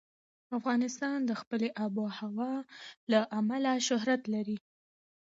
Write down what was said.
افغانستان د خپلې آب وهوا له امله شهرت لري.